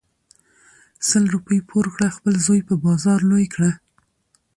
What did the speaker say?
سل روپی پور کړه خپل زوی په بازار لوی کړه .